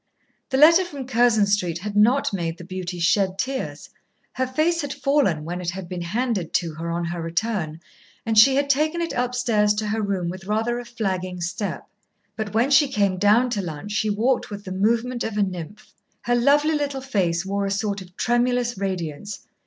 The letter from Curzon Street had not made the beauty shed tears. Her face had fallen when it had been handed to her on her return, and she had taken it upstairs to her room with rather a flagging step. But when she came down to lunch she walked with the movement of a nymph. Her lovely little face wore a sort of tremulous radiance.